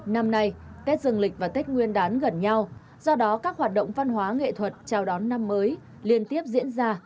năm nay tết dừng lịch và tết nguyên đán gần nhau do đó các hoạt động văn hóa nghệ thuật chào đón năm mới liên tiếp diễn ra